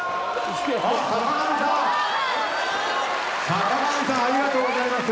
坂上さんありがとうございます。